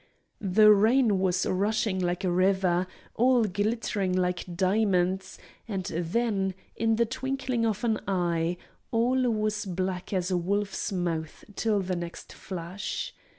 The rain was rushing like a river, all glittering like diamonds, and then, in the twinkling of an eye, all was black as a wolf's mouth till the next flash.